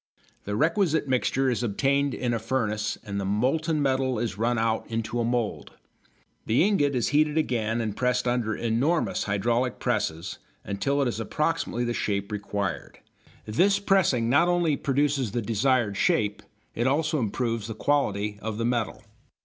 The requisite mixture is obtained in a furnace and the molten metal is run out into a mould. The ingot is heated again and pressed under enormous hydraulic presses until it is approximately the shape required. This pressing not only produces the desired shape, it also improves the quality of the metal.